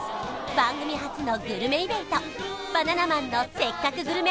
番組初のグルメイベントバナナマンのせっかくグルメ！！